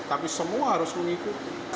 tapi semua harus mengikuti